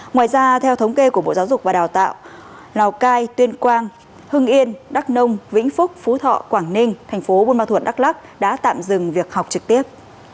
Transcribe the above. ngoài ra theo thống kê của bộ giáo dục và đào tạo lào cai tuyên quang hưng yên đắk nông vĩnh phúc phú thọ quảng ninh tp buôn ma thuận đắk lắk đã tạm dừng việc học trực tiếp